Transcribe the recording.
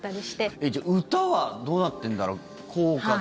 えっ、じゃあ歌はどうなってんだろう？